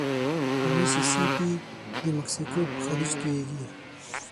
ميسي سي پي د مکسیکو په خلیج توییږي.